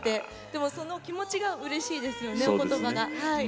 でも、その気持ちがうれしいですよね。